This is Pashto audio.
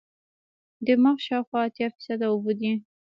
دماغ شاوخوا اتیا فیصده اوبه دي.